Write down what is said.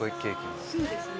そうですね。